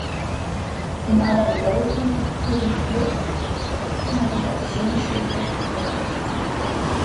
In einer Bedeutung ist Periplus eine schriftliche Navigationshilfe in der Antike.